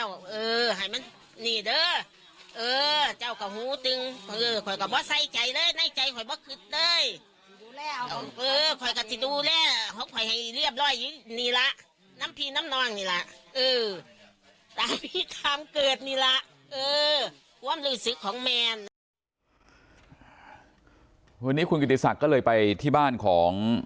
วันนี้คุณกิติศักดิ์ก็เลยไปที่บ้านของ